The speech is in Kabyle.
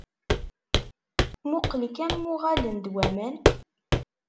Muqqel kan ma uɣalen-d waman?